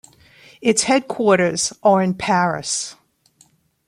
Its headquarters are in Paris.